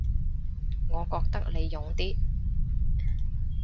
我覺得你勇啲